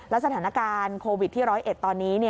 และสถานการณ์โควิดที่ร้อยเอ็ดตอนนี้